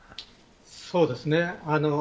そうですね。